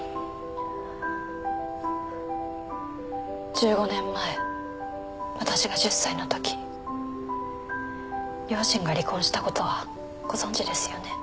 １５年前私が１０歳の時両親が離婚した事はご存じですよね？